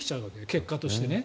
結果としてね。